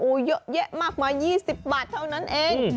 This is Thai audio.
เยอะแยะมากมาย๒๐บาทเท่านั้นเอง